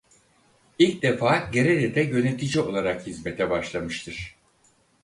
İlk defa Gerede'de yönetici olarak hizmete başlamıştır.